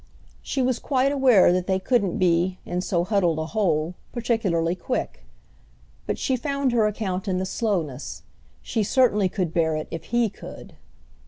She was quite aware that they couldn't be, in so huddled a hole, particularly quick; but she found her account in the slowness—she certainly could bear it if he could.